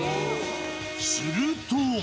すると。